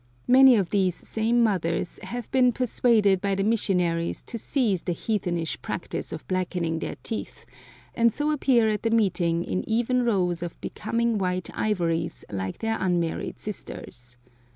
Many of these same mothers have been persuaded by the missionaries to cease the heathenish practice of blackening their teeth, and so appear at the meeting in even rows of becoming white ivories like their unmarried sisters.